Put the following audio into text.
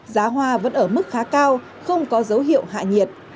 giá hoa vẫn ở mức khá cao không có dấu hiệu hạ nhiệt